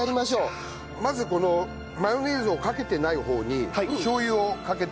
まずこのマヨネーズをかけてない方にしょう油をかけて。